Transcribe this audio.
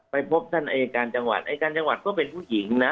ไปพบท่านอายการจังหวัดอายการจังหวัดก็เป็นผู้หญิงนะ